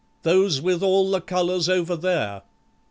"Those with all the colours, over there."